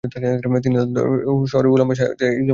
তিনি তার শহরের উলামা মাশায়েখদের থেকে 'ইলম' অর্জন করেন।